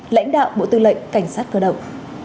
lãnh đạo bộ tư lệnh cảnh sát cơ động